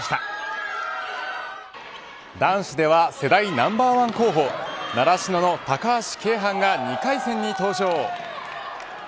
男子では世代ナンバーワン候補習志野の高橋慶帆が２回戦に登場。